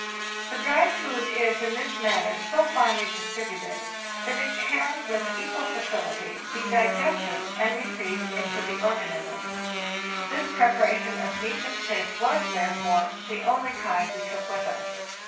The dried food is, in this manner, so finely distributed that it can with equal facility be digested and received into the organism. WE MAKE A START 12 wn This preparation of meat and fish was, therefore, the only kind we took with us.